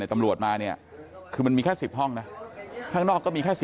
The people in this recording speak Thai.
ตำรวจมาเนี่ยคือมันมีแค่๑๐ห้องนะข้างนอกก็มีแค่๑๐